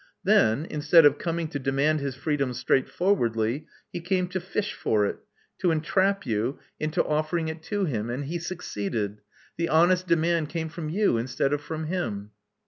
Then, instead of coming to demand his freedom straightforwardly, he came to fish for it — to entrap you into offering it to 236 Love Among the Artists him; and he succeeded. The honest demand came from you instead of from him."